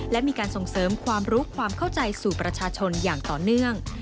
และมีการส่งเสริมความรู้ความเข้าใจสู่ประชาชนอย่างต่อเนื่อง